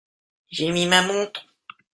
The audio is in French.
J'ai mis ma montre.